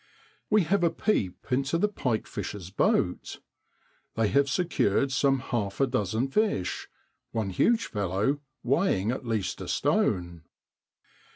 We have a peep into the pike fishers' boat. They have secured some half a dozen fish, one huge fellow weighing at least a stone.